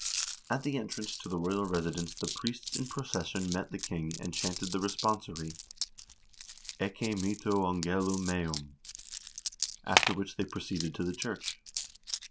At the entrance to the royal residence the priests in procession met the king, and chanted the responsory : Ecce mitto angelum meum ; after which they proceeded to the church.